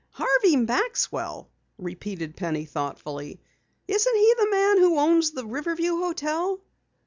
"Harvey Maxwell?" repeated Penny thoughtfully. "Isn't he the man who owns the Riverview Hotel?"